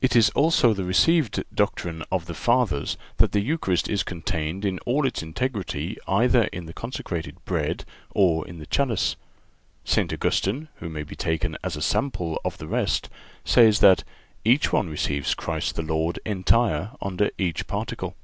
It is also the received doctrine of the Fathers that the Eucharist is contained in all its integrity either in the consecrated bread or in the chalice. St. Augustine, who may be taken as a sample of the rest, says that "each one receives Christ the Lord entire under each particle."